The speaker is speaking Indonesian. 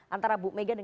antara bu megawati